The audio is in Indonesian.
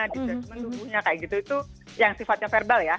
adjustment tubuhnya kayak gitu itu yang sifatnya verbal ya